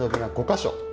５か所？